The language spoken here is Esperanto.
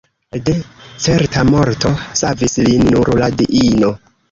De certa morto savis lin nur la diino.